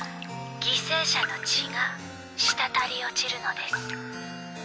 犠牲者の血が滴り落ちるのです